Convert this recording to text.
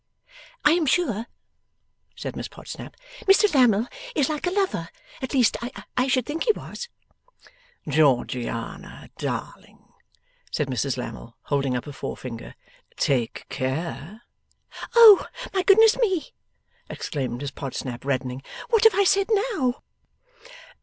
'I am sure,' said Miss Podsnap, 'Mr Lammle is like a lover. At least I I should think he was.' 'Georgiana, darling!' said Mrs Lammle, holding up a forefinger, 'Take care!' 'Oh my goodness me!' exclaimed Miss Podsnap, reddening. 'What have I said now?